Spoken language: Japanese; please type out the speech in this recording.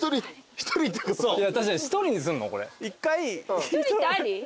１人ってあり？